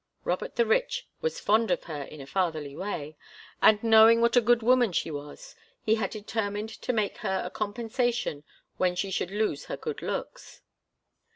Robert the Rich was fond of her in a fatherly way, and knowing what a good woman she was, he had determined to make her a compensation when she should lose her good looks.